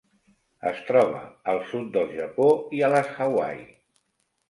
Es troba al sud del Japó i a les Hawaii.